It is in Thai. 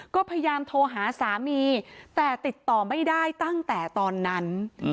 ก็พยายามโทรหาสามีแต่ติดต่อไม่ได้ตั้งแต่ตอนนั้น